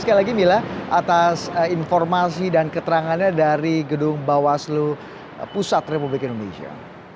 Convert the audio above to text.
terima kasih mila atas informasi dan keterangannya dari gedung bawah seluruh pusat republik indonesia